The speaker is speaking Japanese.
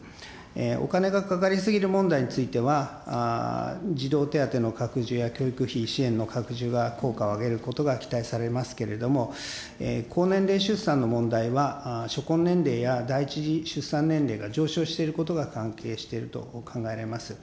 お金がかかり過ぎる問題については、児童手当の拡充や教育費支援の拡充が効果を上げることが期待されますけれども、高年齢出産の問題は、初婚年齢や第１次出産年齢が上昇していることが関係していると考えられます。